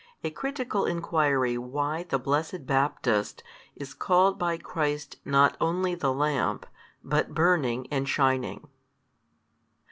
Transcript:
A critical enquiry why the blessed Baptist is called by Christ not only the lamp, but burning and shining.